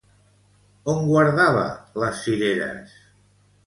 On guardava les cireres?